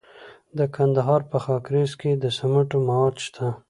د کندهار په خاکریز کې د سمنټو مواد شته.